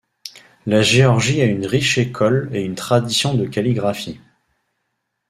La Géorgie a une riche école et une tradition de calligraphie.